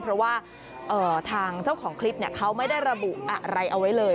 เพราะว่าทางเจ้าของคลิปเขาไม่ได้ระบุอะไรเอาไว้เลย